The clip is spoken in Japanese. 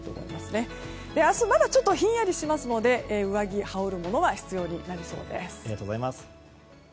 明日まだちょっとひんやりしますので上着、羽織るものが必要になりそうです。